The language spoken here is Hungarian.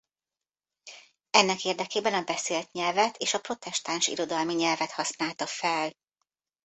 Ennek érdekében a beszélt nyelvet és a protestáns irodalmi nyelvet használta fel.